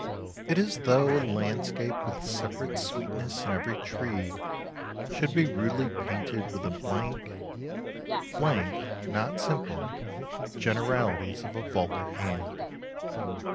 It is as though a landscape with separate sweetness in every tree should be rudely painted with the blank blank, not simple generalities of a vulgar hand.